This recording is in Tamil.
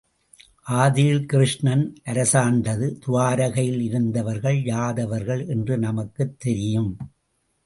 ஆதியில் கிருஷ்ணன் அரசாண்ட துவாரகையில் இருந்தவர்கள் யாதவர்கள் என்று நமக்குத் தெரியும்.